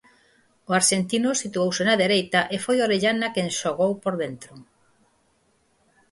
O arxentino situouse na dereita e foi Orellana quen xogou por dentro.